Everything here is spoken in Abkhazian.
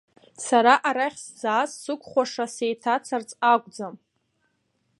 Сара арахь сзааз сықәхәаша сеиҭацарц акәӡам.